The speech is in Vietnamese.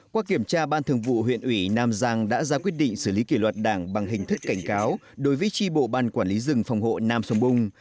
qua kiểm tra ban thường vụ huyện ủy nam giang đã ra quyết định xử lý kỷ luật đảng bằng hình thức cảnh cáo đối với tri bộ ban quản lý rừng phòng hộ nam sông bung